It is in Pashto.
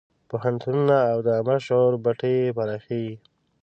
پوهنتونونه او د عامه شعور بټۍ یې پراخېږي.